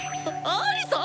アリさっ！